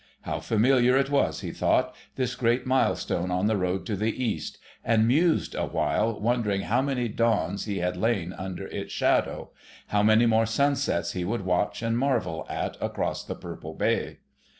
How familiar it was, he thought, this great milestone on the road to the East, and mused awhile, wondering how many dawns he had lain under its shadow: how many more sunsets he would watch and marvel at across the purple Bay.